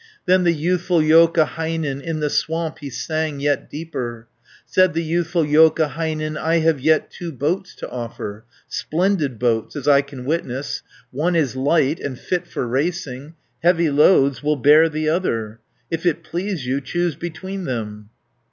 Then the youthful Joukahainen In the swamp he sang yet deeper. Said the youthful Joukahainen, "I have yet two boats to offer; Splendid boats, as I can witness, One is light, and fit for racing, Heavy loads will bear the other; If it please you, choose between them."